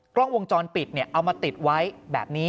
กล้องวงจรปิดเอามาติดไว้แบบนี้